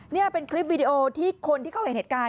นี่เป็นคลิปวีดีโอที่คนที่เขาเห็นเหตุการณ์